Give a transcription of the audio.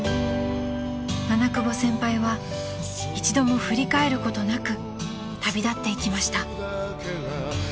［七久保先輩は一度も振り返ることなく旅立っていきました］